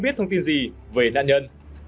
biết thông tin gì về nạn nhân